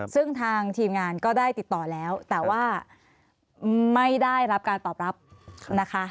ซึ่งทางทีมงานก็ได้ติดต่อแล้วแต่ว่าไม่ได้รับการตอบรับนะคะ